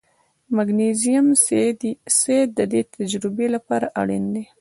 د مګنیزیم سیم د دې تجربې لپاره اړین دی.